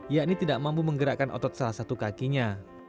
yakni tidak mampu menggerakkan otot salah satu kakinya